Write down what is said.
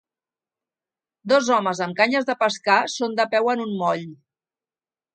Dos homes amb canyes de pescar són de peu en un moll